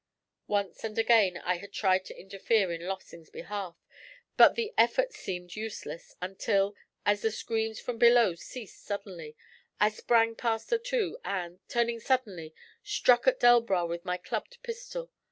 Once and again I had tried to interfere in Lossing's behalf, but the effort seemed useless, until, as the screams from below ceased suddenly, I sprang past the two, and, turning suddenly, struck at Delbras with my clubbed pistol.